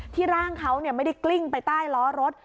ร่างเขาไม่ได้กลิ้งไปใต้ล้อรถ